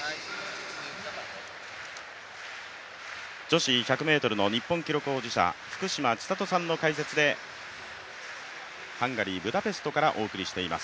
女子１００ｍの日本記録保持者・福島千里さんの解説でハンガリー・ブダペストからお送りしています